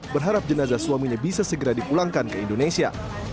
berharap jenazah suaminya bisa segera dipulangkan ke indonesia